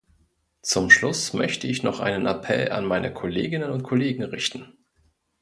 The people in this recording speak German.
Zum Schluss möchte ich noch einen Appell an meine Kolleginnen und Kollegen richten.